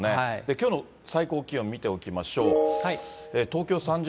きょうの最高気温見ておきましょう。